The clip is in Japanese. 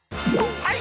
はい！